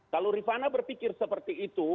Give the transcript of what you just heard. kalau rifana berpikir seperti itu